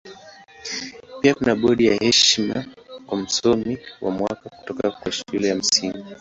Pia kuna bodi ya heshima kwa Msomi wa Mwaka kutoka kwa Shule ya Msingi.